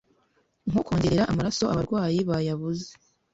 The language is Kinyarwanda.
nko kongerera amaraso abarwayi bayabuze,